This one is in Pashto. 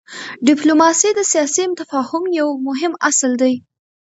ډيپلوماسي د سیاسي تفاهم یو مهم اصل دی.